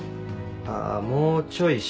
あもうちょい下。